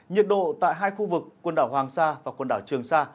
nhiệt độ tại hai khu vực quần đảo hoàng sa và quần đảo trường sa